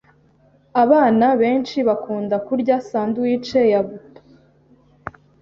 Abana benshi bakunda kurya sandwiches ya buto.